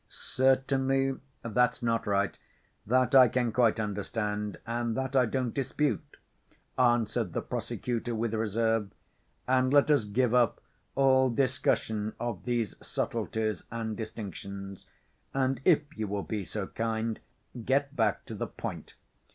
"Certainly, that's not right, that I can quite understand, and that I don't dispute," answered the prosecutor with reserve. "And let us give up all discussion of these subtleties and distinctions, and, if you will be so kind, get back to the point.